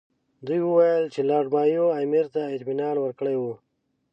دوی وویل چې لارډ مایو امیر ته اطمینان ورکړی وو.